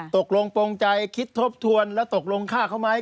ตกลงโปรงใจคิดทบทวนแล้วตกลงฆ่าเขาไหม